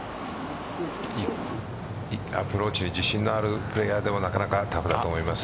アプローチに自信のあるプレーヤーでもなかなかタフだと思います。